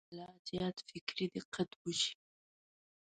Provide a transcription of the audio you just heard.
لا زیات فکري دقت وشي.